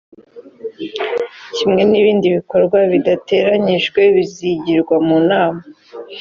kimwe nibindi bikorwa bidateganyijwe bizigirwa mu nama